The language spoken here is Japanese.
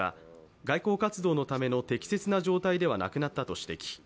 外交活動のための適切な状態ではなくなったと指摘。